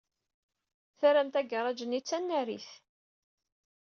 Terramt agaṛaj-nni d tanarit.